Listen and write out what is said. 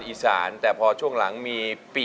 อาหารมันจะดร่วงลงมา